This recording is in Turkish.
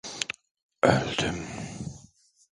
Öldüm.